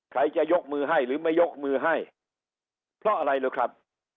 ใครจะยกมือให้หรือไม่ยกมือให้เพราะอะไรรู้ครับ